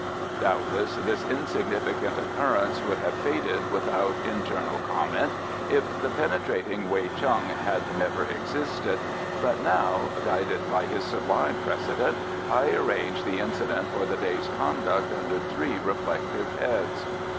Doubtless this insignificant occurrence would have faded without internal comment if the penetrating Wei Chung had never existed, but now, guided by his sublime precedent, I arranged the incident for the day's conduct under three reflective heads.